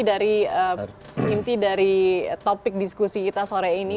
nah balik ke inti dari topik diskusi kita sore ini